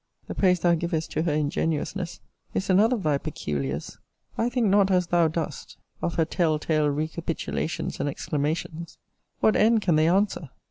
The praise thou givest to her ingenuousness, is another of thy peculiars. I think not as thou dost, of her tell tale recapitulations and exclamations: what end can they answer?